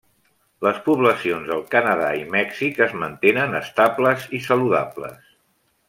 Les poblacions del Canadà i Mèxic es mantenen estables i saludables.